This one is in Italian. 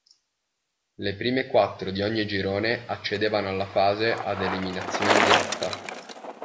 Le prime quattro di ogni girone accedevano alla fase ad eliminazione diretta.